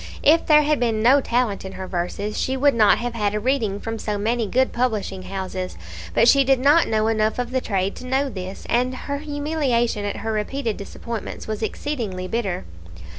If there had been no talent in her verses, she would not have had a reading from so many good publishing houses; but she did not know enough of the trade to know this, and her humiliation at her repeated disappointments was exceedingly bitter.